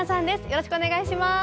よろしくお願いします。